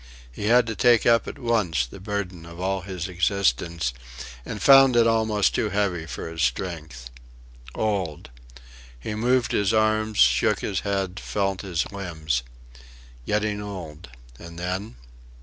He had to take up at once the burden of all his existence, and found it almost too heavy for his strength. Old! He moved his arms, shook his head, felt his limbs. Getting old... and then?